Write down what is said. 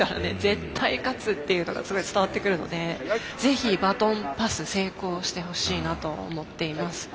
絶対勝つっていうのがすごい伝わってくるのでぜひバトンパス成功してほしいなと思っています。